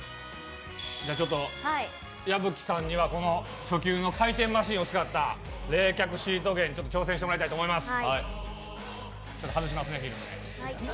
矢吹さんには初級の回転マシーンを使った冷却シート貼り芸に挑戦してもらいます。